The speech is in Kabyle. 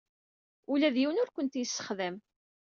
Ula d yiwen ur kent-yessexdam.